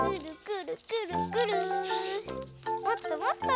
もっともっと！